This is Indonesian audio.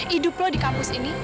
hidup lo di kampus ini